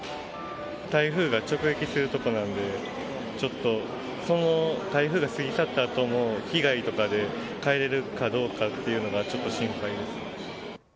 台風が直撃するとこなんで、ちょっとこの台風が過ぎ去ったあとも被害とかで帰れるかどうかっていうのが、ちょっと心配です。